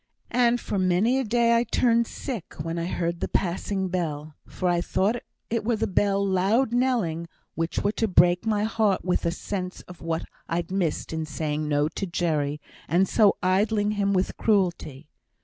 And for many a day I turned sick, when I heard the passing bell, for I thought it were the bell loud knelling which were to break my heart wi' a sense of what I'd missed in saying 'No' to Jerry, and so killing him with cruelty.